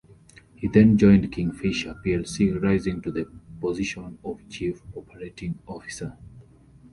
He then joined Kingfisher plc, rising to the position of Chief Operating Officer.